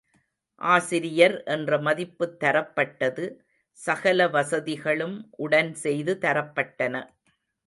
ஆசிரியர் என்ற மதிப்புத் தரப்பட்டது சகல வசதிகளும் உடன் செய்து தரப்பட்டன.